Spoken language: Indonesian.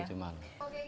jam tujuh malam